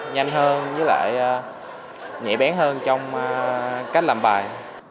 nhanh hơn với lại nhẹ bén hơn trong cách làm bài